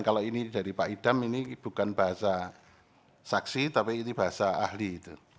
kalau ini dari pak idam ini bukan bahasa saksi tapi ini bahasa ahli itu